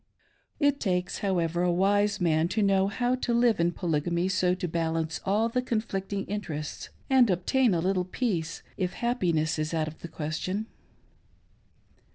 It takes, however, a wise man to know how to live in Polygamy, so as to balance all the con flicting interests and obtain a little peace, if happiness is out of the question.